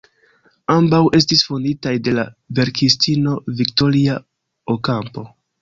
Ambaŭ estis fonditaj de la verkistino Victoria Ocampo.